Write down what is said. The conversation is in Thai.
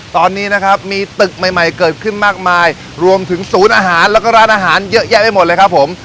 ตอนนี้นะครับมีตึกใหม่ใหม่เกิดขึ้นมากมายรวมถึงศูนย์อาหารแล้วก็ร้านอาหารเยอะแยะไปหมดเลยครับผม